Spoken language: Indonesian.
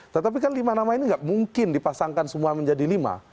tetapi kan lima nama ini tidak mungkin dipasangkan semua menjadi lima